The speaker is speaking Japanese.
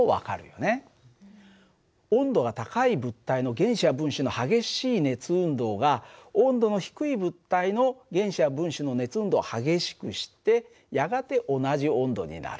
温度が高い物体の原子や分子の激しい熱運動が温度の低い物体の原子や分子の熱運動を激しくしてやがて同じ温度になる。